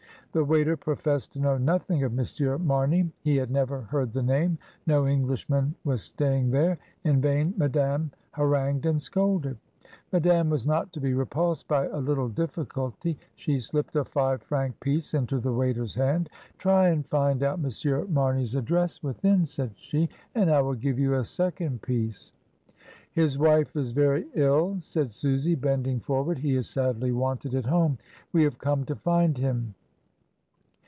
The waiter professed to know nothing of M. Mamey. He had never heard the name; no Eng lishman was staying there. In vain Madame ha rangued and scolded. Madame was not to be repulsed by a little diffi culty. She slipped a five franc piece into the waiter's hand. "Try and find out Monsieur Marney's address ST. CLOUD AFTER THE STORM. 20I within," said she, "and I will give you a second piece." "His wife is very ill," said Susy, bending for ward; "he is sadly wanted at home. We have come to find him."